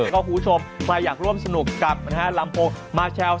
ก็คุณผู้ชมใครอยากร่วมสนุกกับลำโพงมาแชล